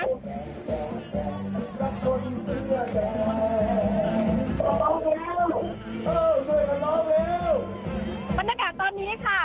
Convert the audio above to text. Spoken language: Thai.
สมรรดาตอนนี้ค่ะ